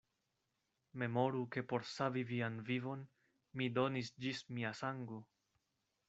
Memoru, ke por savi vian vivon, mi donis ĝis mia sango.